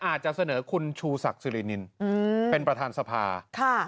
อาจจะเสนอคุณชูศักดิ์สิรินินเป็นประธานสภาค่ะ